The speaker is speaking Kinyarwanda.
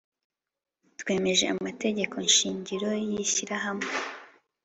Twemeje Amategeko shingiro y Ishyirahamwe